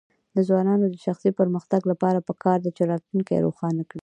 د ځوانانو د شخصي پرمختګ لپاره پکار ده چې راتلونکی روښانه کړي.